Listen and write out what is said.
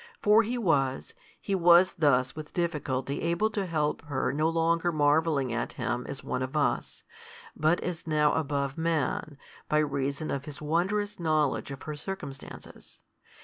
For He was, He was thus with difficulty able to help her no longer marvelling at Him as one of us, but as now above man, by reason of His wondrous knowledge of her circumstances.